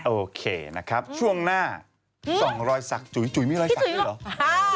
โอเคนะครับช่วงหน้าส่องรอยสักจุ๋ยมีรอยสักด้วยเหรอ